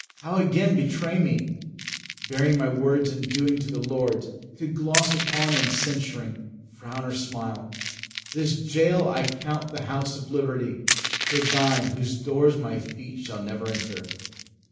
How again betray me, Bearing my words and doings to the lords To gloss upon, and censuring, frown or smile! This jail I count the house of liberty To thine, whose doors my feet shall never enter."